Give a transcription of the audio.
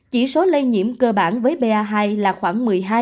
chỉ số lây nhiễm cơ bản với ba hai là khoảng một mươi hai